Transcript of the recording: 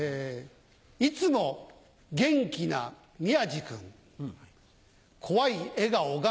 いつも元気な宮治君怖い笑顔が残るだけ。